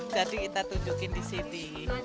jadi kita tunjukkan di sini